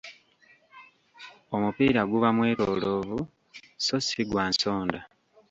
Omupiira guba mwetoloovu so si gwa nsonda.